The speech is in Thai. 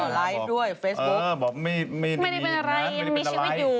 อ๋อไลฟ์ด้วยเฟสบุ๊คไม่ได้เป็นอะไรไม่ได้เป็นอะไร